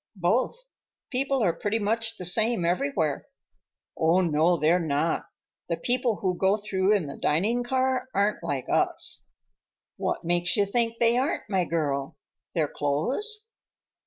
"Both. People are pretty much the same everywhere." "Oh, no, they're not. The people who go through in the dining car aren't like us." "What makes you think they aren't, my girl? Their clothes?"